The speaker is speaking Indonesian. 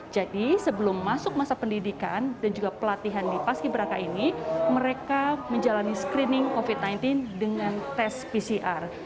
jadi sebelum masuk masa pendidikan dan juga pelatihan di paski beraka ini mereka menjalani screening covid sembilan belas dengan tes pcr